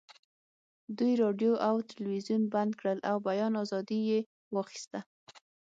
دوی راډیو او تلویزیون بند کړل او بیان ازادي یې واخیسته